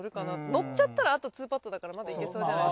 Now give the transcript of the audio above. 乗っちゃったらあと２パットだからまだいけそう。